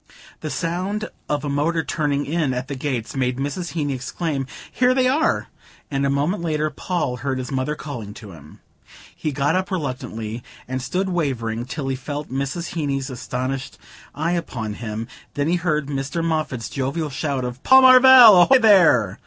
The sound of a motor turning in at the gates made Mrs. Heeny exclaim "Here they are!" and a moment later Paul heard his mother calling to him. He got up reluctantly, and stood wavering till he felt Mrs. Heeny's astonished eye upon him. Then he heard Mr. Moffatt's jovial shout of "Paul Marvell, ahoy there!"